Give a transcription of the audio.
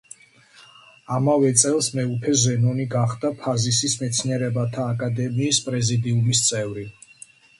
ამავე წელს მეუფე ზენონი გახდა ფაზისის მეცნიერებათა აკადემიის პრეზიდიუმის წევრი.